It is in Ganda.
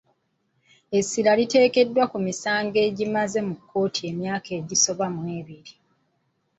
Essira liteekebbwa ku misango egimaze mu kkooti emyaka egisoba mu ebiri.